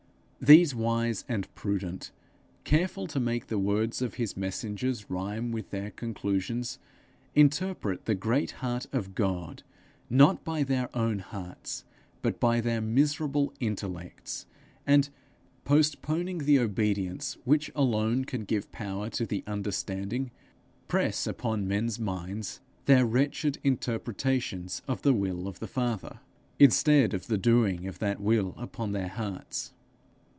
These wise and prudent, careful to make the words of his messengers rime with their conclusions, interpret the great heart of God, not by their own hearts, but by their miserable intellects; and, postponing the obedience which alone can give power to the understanding, press upon men's minds their wretched interpretations of the will of the Father, instead of the doing of that will upon their hearts.